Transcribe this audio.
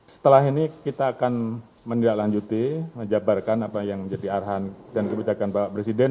setelah ini kita akan menindaklanjuti menjabarkan apa yang menjadi arahan dan kebijakan bapak presiden